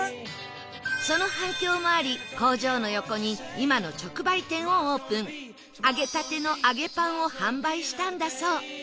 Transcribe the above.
その反響もあり揚げたてのあげぱんを販売したんだそう